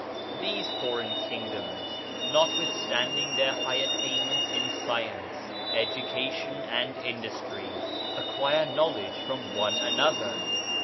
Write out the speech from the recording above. These foreign kingdoms, notwithstanding their high attainments in science, education and in dustry, acquire knowledge from one another.